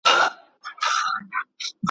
پټ په لار کي د ملیار یو ګوندي راسي `